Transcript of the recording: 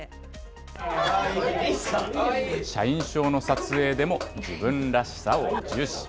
社員証の撮影でも自分らしさを重視。